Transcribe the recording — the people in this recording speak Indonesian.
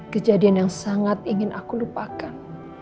kejadian yang sangat ingin aku lupakan